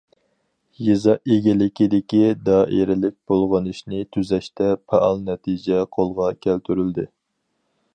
يېزا ئىگىلىكىدىكى دائىرىلىك بۇلغىنىشنى تۈزەشتە پائال نەتىجە قولغا كەلتۈرۈلدى.